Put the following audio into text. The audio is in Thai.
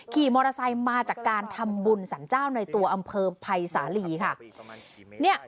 ขี่มอเตอร์ไซค์มาจากการทำบุญสรรเจ้าในตัวอำเภอภัยสาลีค่ะ